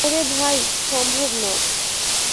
ওরে ভাই, সম্ভব না।